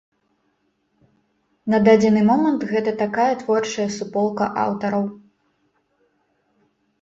На дадзены момант гэта такая творчая суполка аўтараў.